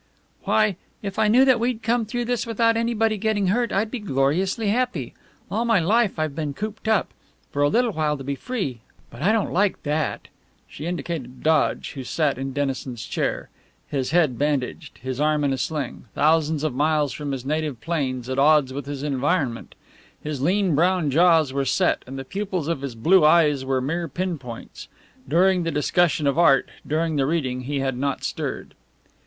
"Why, if I knew that we'd come through this without anybody getting hurt I'd be gloriously happy. All my life I've been cooped up. For a little while to be free! But I don't like that." She indicated Dodge, who sat in Dennison's chair, his head bandaged, his arm in a sling, thousands of miles from his native plains, at odds with his environment. His lean brown jaws were set and the pupils of his blue eyes were mere pin points. During the discussion of art, during the reading, he had not stirred.